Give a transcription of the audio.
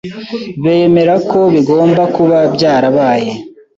bemera ko bigomba kuba byarabaye.